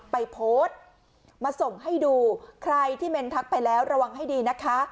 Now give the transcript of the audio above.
ไปโพสต์มาส่งให้ดูใครที่เมนทักไปแล้วระวังให้ดีนะคะ